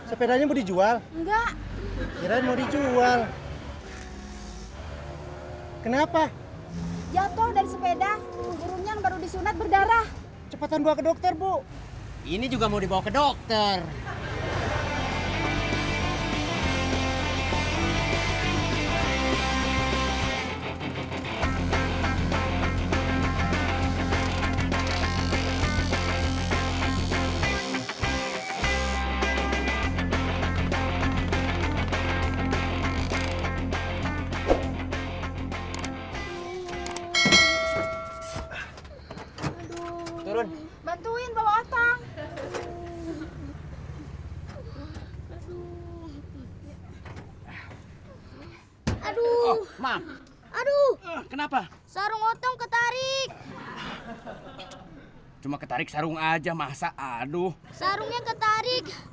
aduh aduh aduh kenapa sarung otong ketarik cuma ketarik sarung aja masa aduh sarungnya ketarik